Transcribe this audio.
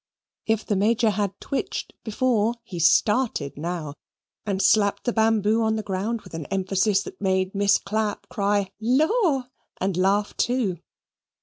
If the Major had twitched before, he started now, and slapped the bamboo on the ground with an emphasis which made Miss Clapp cry, "Law," and laugh too.